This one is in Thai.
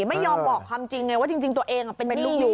ไม่ยอมบอกความจริงไงว่าจริงตัวเองเป็นลูกอยู่